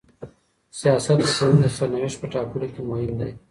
سياست د ټولني د سرنوشت په ټاکلو کي مهم دی.